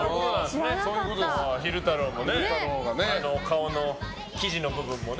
昼太郎も顔の生地の部分もね。